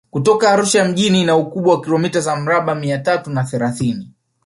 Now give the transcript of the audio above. Kutoka Arusha mjini ina ukubwa wa kilometa za mraba mia tatu na thelathini